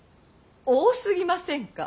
多すぎませんか。